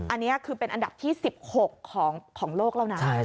อันนี้คือเป็นอันดับที่๑๖ของโลกแล้วนะ